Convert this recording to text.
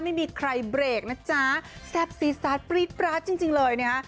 ไม่มีใครเบรกนะจ๊ะแซ่บซีดซาสปรี๊ดปราดจริงเลยนะฮะ